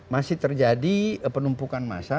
masih terjadi penumpukan massa